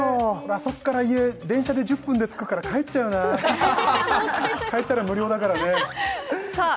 あそこから家電車で１０分で着くから帰っちゃうな帰ったら無料だからねさあ